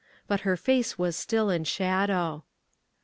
But her face was still in shadow.